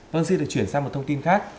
vâng xin được chuyển sang một thông tin khác